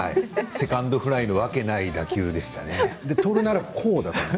セカンドフライではない打球でしたね。